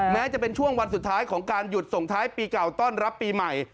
แม้จะเป็นช่วงวันสุดท้ายของการหยุดส่งท้ายปีเก่าต้อนรับปีใหม่